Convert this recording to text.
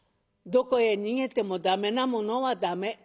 どこへ逃げても駄目なものは駄目。